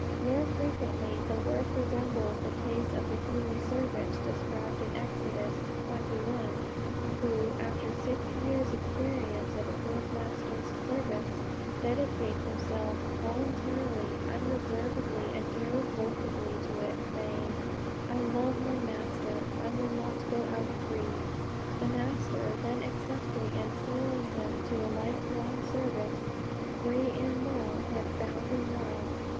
More frequently the work resembles the case of the Hebrew servant described in Exodus xxi., who, after six years' experience of a good master's service, dedicates himself voluntarily, unreservedly, and irrevocably to it, saying, 'I love my master; I will not go out free;' the master then accepting and sealing him to a life long service, free in law, yet bound in love.